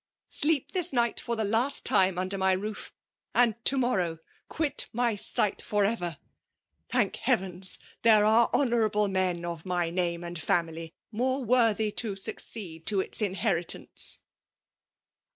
Sleep tins night Cor the \ni time under my roof — «id> to moonnMr, quit my sight for ever ! Thank Heaven, there ve keaooraUe men of my name and ftmly more worthy to succeed to its inheritance.'